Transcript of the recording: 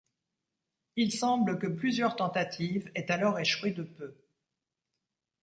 Il semble que plusieurs tentatives aient alors échoué de peu.